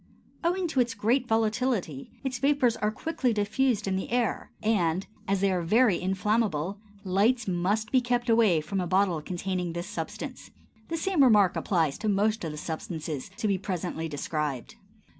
Owing to its great volatility, its vapors are quickly diffused in the air, and, as they are very inflammable, lights must be kept away from a bottle containing this substance. The same remark applies to most of the substances to be presently described.